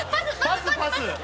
パスパス。